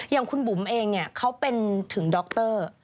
อย่างคุณบุ๋มเองเขาเป็นถึงดร